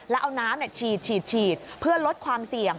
แล้วเอาน้ำฉีดเพื่อลดความเสี่ยง